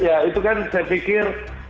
ya itu kan saya pikir